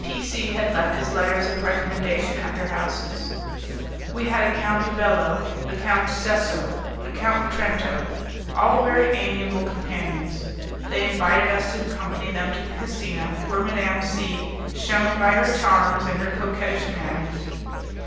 P C had left his letters of recommendation at their houses. We had a Count Velo, a Count Sesso, a Count Trento all very amiable companions. They invited us to accompany them to the casino, where Madame C shone by her charms and her coquettish manners.